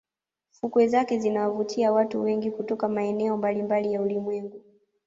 Fukwe zake zinawavutia watu wengi kutoka maeneo mbalimbali ya ulimwengu